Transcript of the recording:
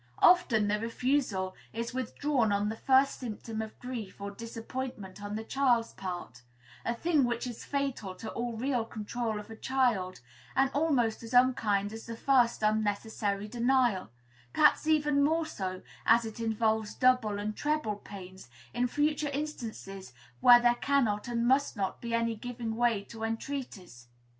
Often the refusal is withdrawn on the first symptom of grief or disappointment on the child's part; a thing which is fatal to all real control of a child, and almost as unkind as the first unnecessary denial, perhaps even more so, as it involves double and treble pains, in future instances, where there cannot and must not be any giving way to entreaties.